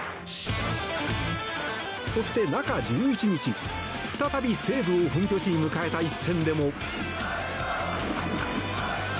そして中１１日、再び西武を本拠地に迎えた一戦でも。